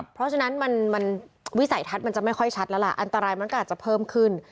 เพราะฉะนั้นมันวิสัยทัศน์มันจะไม่ค่อยชัดแล้วล่ะอันตรายมันก็อาจจะเพิ่มขึ้น